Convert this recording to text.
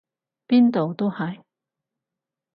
邊度都係！